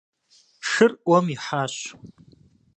Шыр ӏуэм ихьащ.